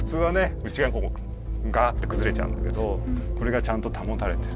うちがわにこうガーッてくずれちゃうんだけどこれがちゃんと保たれてる。